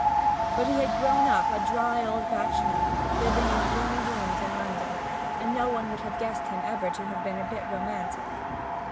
But he had grown up a dry old bachelor, living in gloomy rooms in London, and no one would have guessed him ever to have been a bit romantic.